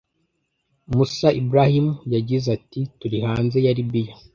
Moussa Ibrahim yagize ati ‘’turi hanze ya Libiya